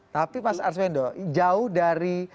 tapi mas arswendo jauh dari